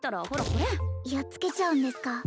これやっつけちゃうんですか？